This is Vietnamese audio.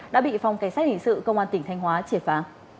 đã bị phòng cảnh sát hình sự công an tỉnh thanh hóa triệt phá